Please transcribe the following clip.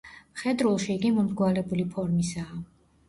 მხედრულში იგი მომრგვალებული ფორმისაა.